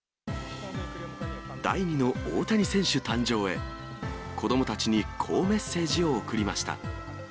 第２の大谷選手誕生へ、子どもたちにこうメッセージを送りました。